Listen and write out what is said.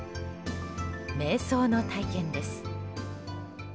瞑想の体験です。